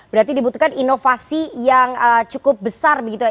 berarti dibutuhkan inovasi yang cukup besar begitu ya